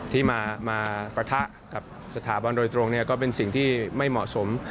ที่มาปะทะกับสถาบันโดยตรงก็เป็นสิ่งที่ไม่เหมาะสม